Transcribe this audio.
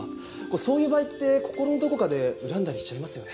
そういう場合って心のどこかで恨んだりしちゃいますよね？